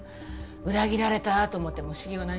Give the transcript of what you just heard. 裏切られたと思っても不思議はないんじゃない？